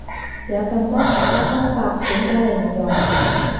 有咁多其他方法點解你唔用？